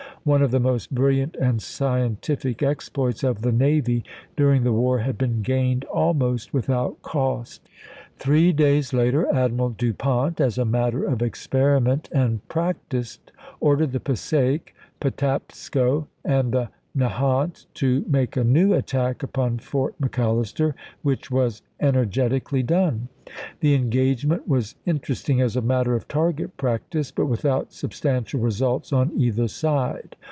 One of the most brilliant and scientific exploits of the navy during the war had been gained almost without cost. Three days later Admiral Du Pont, as a matter of experiment and practice, ordered the Passaic, Patapsco, and the Nahant to make a new attack upon Fort McAllister, which was energetically done. The engagement was interesting as a matter of target practice, but without substantial results on either side.